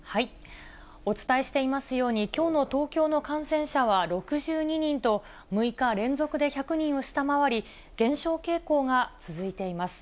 お伝えしていますように、きょうの東京の感染者は６２人と、６日連続で１００人を下回り、減少傾向が続いています。